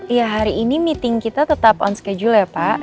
iya hari ini meeting kita tetap on schedule ya pak